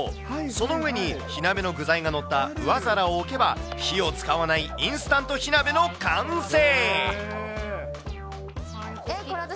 その上に火鍋の具材が載った上皿を置けば、火を使わないインスタント火鍋の完成。